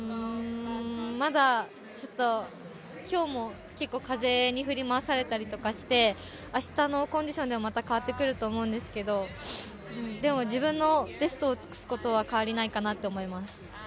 まだ今日も、結構風に振り回されたりとかして明日のコンディションでまた変わってくると思うんですけどでも、自分のベストを尽くすことは変わりないかなと思います。